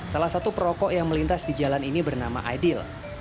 salah satu perokok yang melintas di jalan ini bernama aidil